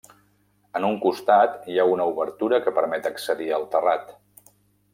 En un costat hi ha una obertura que permet accedir al terrat.